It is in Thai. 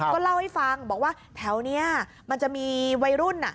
ก็เล่าให้ฟังบอกว่าแถวนี้มันจะมีวัยรุ่น